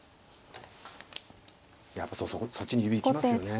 いやそうそっちに指行きますよね。